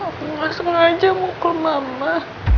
aku langsung aja mukul mama